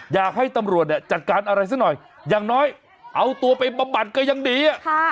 อยากให้ตำรวจเนี่ยจัดการอะไรซะหน่อยอย่างน้อยเอาตัวไปบำบัดก็ยังดี